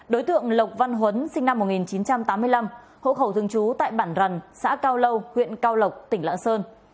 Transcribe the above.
đối tượng lộc văn huấn sinh năm một nghìn chín trăm tám mươi năm hộ khẩu thường trú tại bản rằn xã cao lâu huyện cao lộc tỉnh lạng sơn